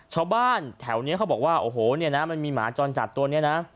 ชาวบ้านแถวนี้เขาบอกว่าโอ้โหเนี่ยนะมันมีหมาจรจัดตัวนี้นะ